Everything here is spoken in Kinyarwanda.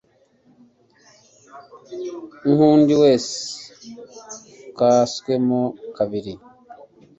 nk'undi wese ukaswemo kabiri